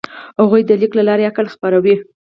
هغوی د لیک له لارې عقل خپراوه.